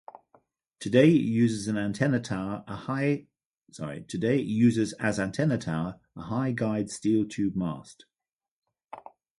Today it uses as antenna tower a high guyed steel tube mast.